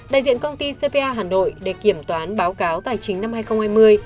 đại diện công ty cpa hà nội để kiểm toán báo cáo tài chính năm hai nghìn hai mươi